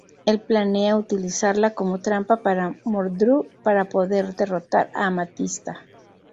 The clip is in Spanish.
Él planea utilizarla como trampa para Mordru para poder derrotar a Amatista.